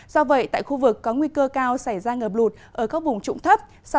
do vậy tại khu vực có nguy cơ cao xảy ra ngập lụt ở các vùng trụng thấp